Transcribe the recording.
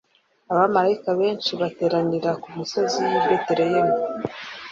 Abamalayika benshi bateranira ku misozi y'i Betelehemu.